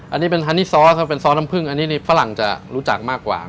อันนี้เป็นฮันนี่ซอสครับเป็นซอสน้ำผึ้งอันนี้ฝรั่งจะรู้จักมากกว่า